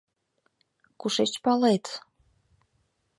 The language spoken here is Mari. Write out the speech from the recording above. Кушеч палет?